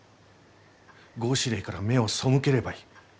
合祀令から目を背ければいい。